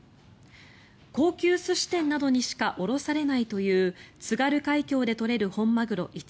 高級回転寿司店などにしか卸されないという津軽海峡で取れる本マグロ１ｋｇ